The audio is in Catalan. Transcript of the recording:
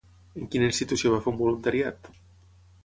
En quina institució va fer un voluntariat?